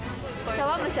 茶碗蒸し。